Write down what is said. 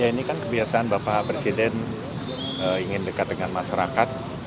ini kan kebiasaan bapak presiden ingin dekat dengan masyarakat